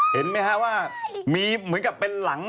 เห็นไหมฮะว่ามีเหมือนกับเป็นหลัง